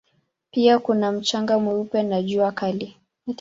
Pia kuna mchanga mweupe na jua kali.